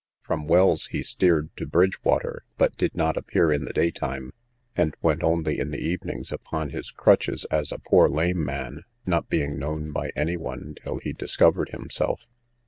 From Wells he steered to Bridgewater, but did not appear in the day time, and went only in the evenings upon his crutches, as a poor lame man, not being known by any one till he discovered himself.